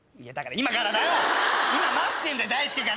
今待ってんだよ！